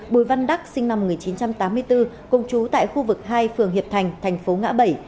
bùi văn đắc sinh năm một nghìn chín trăm tám mươi bốn cùng chú tại khu vực hai phường hiệp thành thành phố ngã bảy